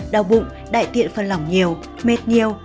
đau bụng đại tiện phân lỏng nhiều mệt nhiều